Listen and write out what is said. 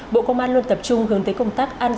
bộ công an luôn tập trung hướng tới công tác an sinh